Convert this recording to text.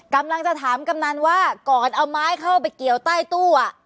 กำลังจะถามกำนันว่าก่อนเอาไม้เข้าไปเกี่ยวใต้ตู้อ่ะ